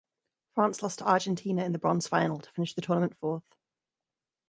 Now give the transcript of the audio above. France lost to Argentina in the bronze final to finish the tournament fourth.